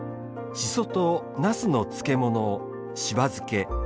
しそとなすの漬物、しば漬け。